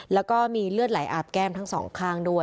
แล้วก็มีเลือดไหลอาบแก้มทั้งสองข้างด้วย